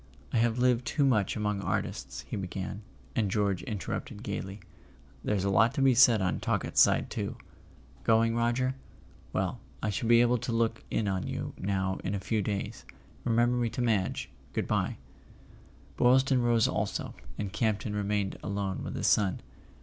"I have lived too much among Artists " he began; and George inter¬ rupted gaily: "There's a lot to be said on Talkett's [ 322 ] A SON AT THE FRONT side too. Going, Roger? Well, I shall be able to look in on you now in a few days. Remember me to Madge. Good bye." Boylston rose also, and Campton remained alone with his son.